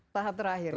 tahap terakhir ya